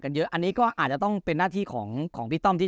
เยอะอันนี้ก็อาจจะต้องเป็นหน้าที่ของของพี่ต้อมที่